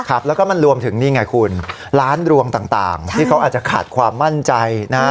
ครับแล้วก็มันรวมถึงนี่ไงคุณร้านรวงต่างต่างที่เขาอาจจะขาดความมั่นใจนะฮะ